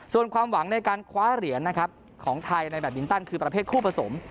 ส่วนความหวังในการคว้าเหรียญนะครับของไทยในแบตบินตันคือประเภทคู่ผสม